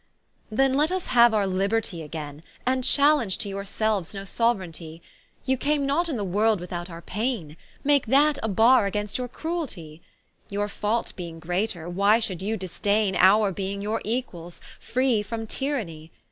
Then let us haue our Libertie againe, And challendge to your selues no Sou'raigntie; You came not in the world without our paine, Make that a barre against your crueltie; Your fault beeing greater, why should you disdaine Our beeing your equals, free from tyranny?